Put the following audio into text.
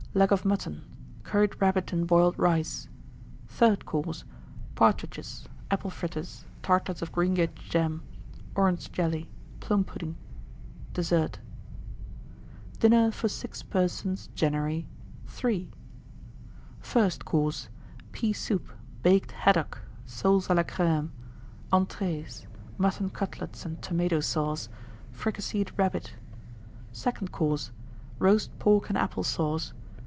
Leg of Mutton. Curried Rabbit and Boiled Rice. THIRD COURSE. Partridges. Apple Fritters. Tartlets of Greengage Jam. Orange Jelly. Plum pudding. DESSERT. 1893. DINNER FOR 6 PERSONS (January). III. FIRST COURSE. Pea soup. Baked Haddock. Soles à la Crême. ENTREES. Mutton Cutlets and Tomato Sauce. Fricasseed Rabbit. SECOND COURSE. Roast Pork and Apple Sauce.